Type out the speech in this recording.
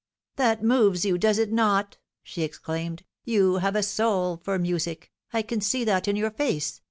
" That moves you, does it not ?" she exclaimed. " You have a soul for music. I can see that in your face.